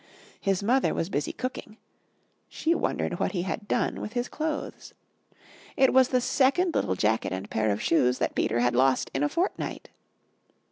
His mother was busy cooking; she wondered what he had done with his clothes. It was the second little jacket and pair of shoes that Peter had lost in a fortnight!